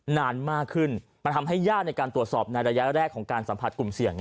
นานมากขึ้นมันทำให้ยากในการตรวจสอบในระยะแรกของการสัมผัสกลุ่มเสี่ยง